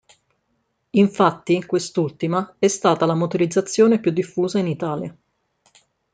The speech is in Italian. Infatti, quest'ultima è stata la motorizzazione più diffusa in Italia.